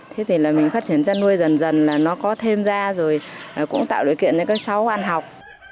thế thì là mình phát triển chăn nuôi dần dần là nó có thêm ra rồi cũng tạo điều kiện cho các cháu ăn học